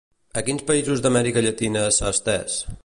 A quins països d'Amèrica Llatina s'ha estès?